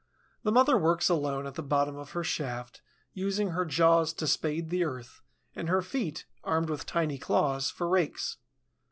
The mother works alone at the bottom of her shaft, using her jaws to spade the earth, and her feet, armed with tiny claws, for rakes.